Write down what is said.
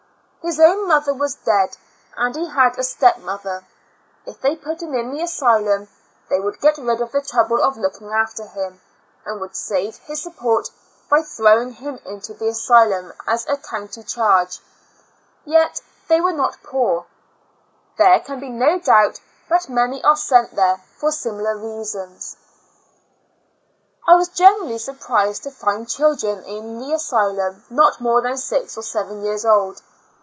His own mother was dead, and he had a step mother. If they put him in the asy 90 Two Years AND Four Months lum th&Y would get rid of the trouble of looking after him, and would save his sup port by throwing him into the asylum as a county charge. Yet they were not poor. There can be no doubt but many are sent there for similar reasons. I was greatly surprised to find children in the asylum not more than six or seven 3'ears old.